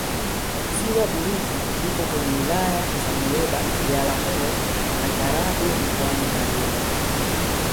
ziwa burigi lipo kwenye wilaya za muleba biharamulo na karagwe mkoani kagera